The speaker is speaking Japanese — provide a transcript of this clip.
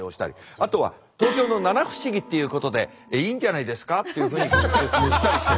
あとは「東京の七不思議っていうことでいいんじゃないですか？」っていうふうに説明したりして。